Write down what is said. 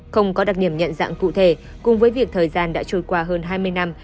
không có đặc điểm nhận dạng cụ thể cùng với việc thời gian đã trôi qua hơn hai mươi năm